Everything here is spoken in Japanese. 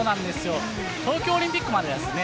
東京オリンピックまではですね